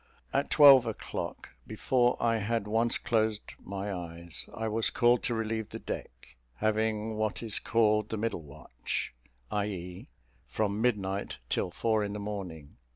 At twelve o'clock, before I had once closed my eyes, I was called to relieve the deck, having what is called the middle watch, i.e. from midnight till four in the morning.